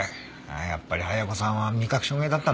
やっぱり綾子さんは味覚障害だったんだね。